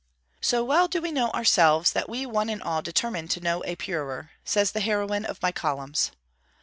'So well do we know ourselves, that we one and all determine to know a purer,' says the heroine of my columns.